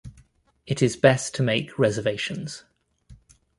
It is best to make reservations.